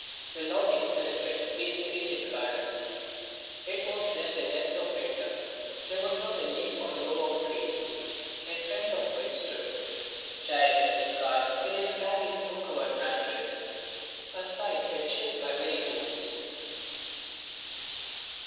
The lodgings selected faced the Regent Gardens. It was then the depth of winter. There was not a leaf on the row of trees in front which stood staring at the sky with their scraggy snow covered branches a sight which chilled my very bones.